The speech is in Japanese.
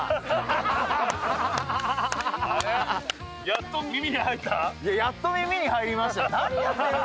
やっと耳に入りました。